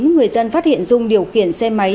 người dân phát hiện dung điều khiển xe máy